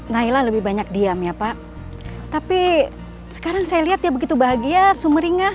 naila lebih banyak diam ya pak tapi sekarang saya lihat dia begitu bahagia sumeringah